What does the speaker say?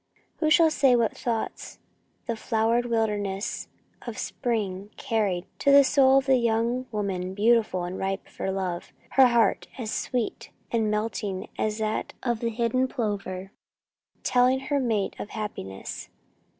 Who shall say what thoughts the flowered wilderness of spring carried to the soul of a young woman beautiful and ripe for love, her heart as sweet and melting as that of the hidden plover telling her mate of happiness?